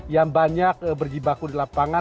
yang banyak berjibaku di lapangan